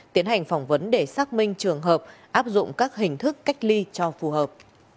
tiến hành phỏng vấn để xác minh trường hợp áp dụng các hình thức cách ly cho phù hợp